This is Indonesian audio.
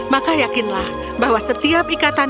maka yakinlah bahwa setiap ikatan yang kita ciptakan